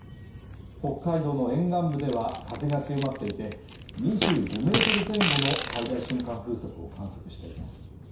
北海道の沿岸部では風が強まっていて２５メートル前後の最大瞬間風速を観測しています